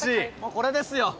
これですよ